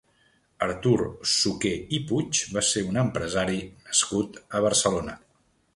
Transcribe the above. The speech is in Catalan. Artur Suqué i Puig va ser un empresari nascut a Barcelona.